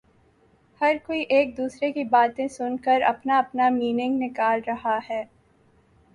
ہر کوئی ایک دوسرے کی باتیں سن کر اپنا اپنا مینینگ نکال رہا ہے